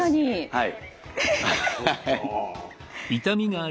はい！